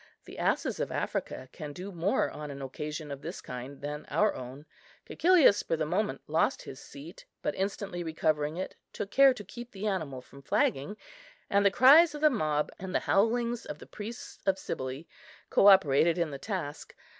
The asses of Africa can do more on an occasion of this kind than our own. Cæcilius for the moment lost his seat; but, instantly recovering it, took care to keep the animal from flagging; and the cries of the mob, and the howlings of the priests of Cybele cooperated in the task.